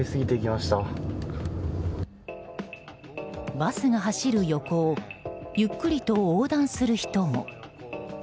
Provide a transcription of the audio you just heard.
バスが走る横をゆっくりと横断する人も。